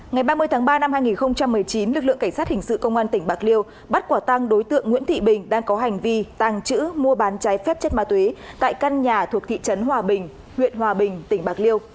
ngày ba mươi tháng ba năm hai nghìn một mươi chín lực lượng cảnh sát hình sự công an tỉnh bạc liêu bắt quả tăng đối tượng nguyễn thị bình đang có hành vi tàng trữ mua bán trái phép chất ma túy tại căn nhà thuộc thị trấn hòa bình huyện hòa bình tỉnh bạc liêu